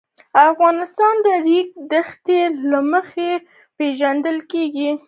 افغانستان د د ریګ دښتې له مخې پېژندل کېږي.